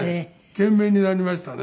懸命になりましたね。